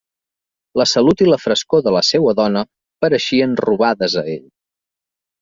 La salut i la frescor de la seua dona pareixien robades a ell.